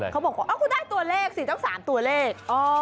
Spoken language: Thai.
เขาบอกว่าอ้อคุณได้ตัวเลข๔๓ตัวเลข